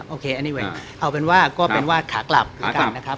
โอเคเอาเป็นว่าก็เป็นว่าขากลับกันนะครับ